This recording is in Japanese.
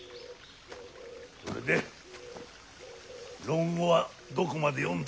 それで「論語」はどこまで読んだ？